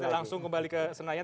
langsung kembali ke senayan